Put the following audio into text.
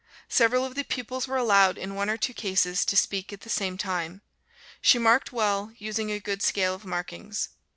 Several of the pupils were allowed, in one or two cases, to speak at the same time. She marked well, using a good scale of markings.